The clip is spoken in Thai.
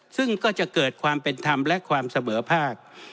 ซึ่งก็จะเกิดความเป็นธรรมและความเสมอภาค